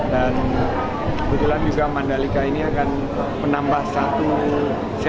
dan kebetulan juga mandalika ini adalah satu dari kelas yang paling terkenal di dunia